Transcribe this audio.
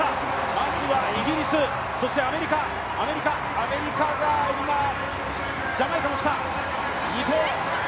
まずはイギリス、そしてアメリカアメリカ、ジャマイカも来た。